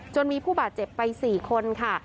จนมีผู้บาดเจ็บไป๔คนค่ะ